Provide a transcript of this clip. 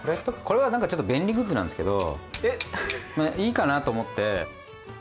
これはなんかちょっと便利グッズなんですけどいいかなと思って。